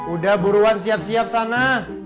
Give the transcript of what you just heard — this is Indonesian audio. udah buruan siap siap sana